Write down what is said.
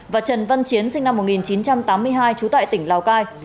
và trần văn chiến sinh năm một nghìn chín trăm tám mươi hai trú tại tỉnh lào cai